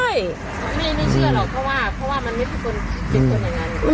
ใช่ไม่เชื่อหรอกเพราะว่ามันไม่ใช่คนจริงอย่างนั้น